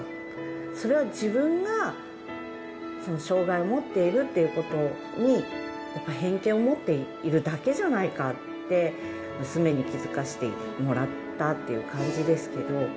それは自分が、障がいを持っているっていうことに、やっぱり偏見を持っているだけじゃないかって、娘に気付かせてもらったっていう感じですけど。